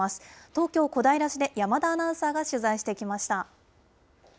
東京・小平市で山田アナウンサーが取材してきました。